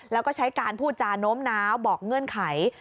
แล้วก็ใช้การพูดจาโน้มน้าวบอกเงื่อนไข